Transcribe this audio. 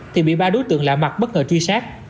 thì bị ba đối tượng lạ mặt bất ngờ truy xét